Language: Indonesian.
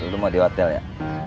lu mau di hotel ya